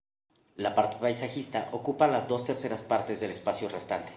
La parte paisajista ocupa las dos terceras partes del espacio restante.